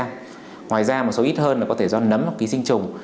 ngoài ra một số ít hơn là có thể do nấm hoặc ký sinh trùng